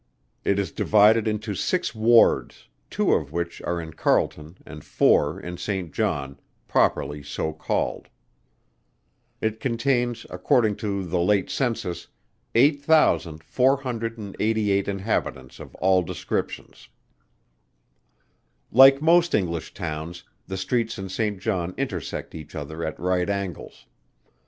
It is divided into six wards, two of which are in Carleton and four in St. John, properly so called. It contains, according to the late census, 8,488 inhabitants of all descriptions. Like most English towns, the streets in St. John intersect each other at right angles.